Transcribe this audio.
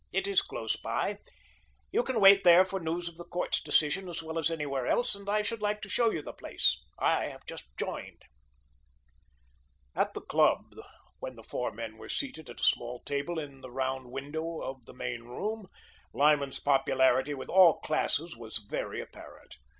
It is close by. You can wait there for news of the court's decision as well as anywhere else, and I should like to show you the place. I have just joined." At the club, when the four men were seated at a small table in the round window of the main room, Lyman's popularity with all classes was very apparent.